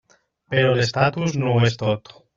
Però l'estatus no ho és tot.